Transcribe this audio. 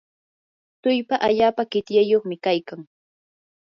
tullpa allapa qityayuqmi kaykan.